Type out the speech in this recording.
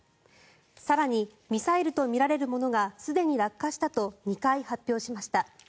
更に、ミサイルとみられるものがすでに落下したと２回発表しました。